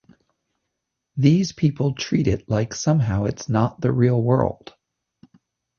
These people treat it like somehow it's not the real world.